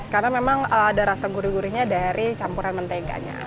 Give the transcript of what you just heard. karena memang ada rasa gurih gurihnya dari campuran menteganya